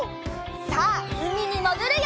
さあうみにもぐるよ！